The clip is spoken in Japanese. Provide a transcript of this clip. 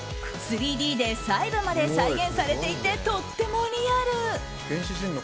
３Ｄで細部まで再現されていてとってもリアル。